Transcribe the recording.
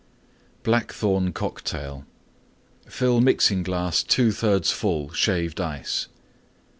BLACKTHORNE COCKTAIL Fill Mixing glass 2/3 full Shaved Ice.